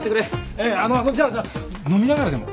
えっあのあのじゃあじゃあ飲みながらでも。